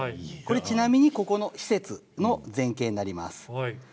これはちなみにここの施設の全景になります。